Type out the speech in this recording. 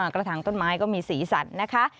กระถางต้นไม้ก็มีสีสันนะคะ